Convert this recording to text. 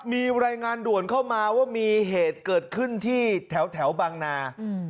มีรายงานด่วนเข้ามาว่ามีเหตุเกิดขึ้นที่แถวบางนา